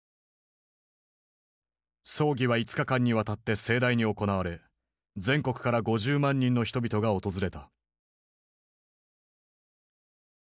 葬儀は５日間にわたって盛大に行われ全国から５０万人の人々が訪れた。